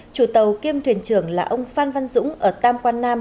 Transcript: chủ tàu kiêm thuyền trưởng là ông phan văn dũng ở tam quan nam